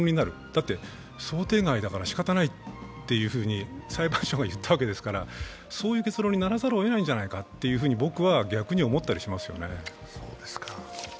だって、想定外だから仕方ないというふうに裁判所が言ったわけですからそういう結論にならざるをえないんじゃないかと僕は逆に思ったりしますね。